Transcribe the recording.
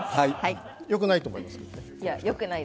よくないと思います。